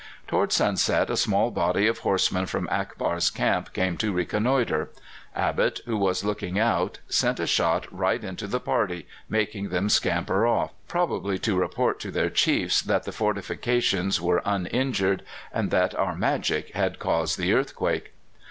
Towards sunset a small body of horsemen from Akbar's camp came to reconnoitre. Abbott, who was looking out, sent a shot right into the party, making them scamper off, probably to report to their chiefs that the fortifications were uninjured, and that our "magic" had caused the earthquake.